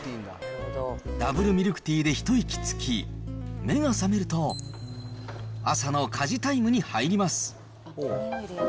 ダブルミルクティーで一息つき、目が覚めると、朝の家事タイムに入ります。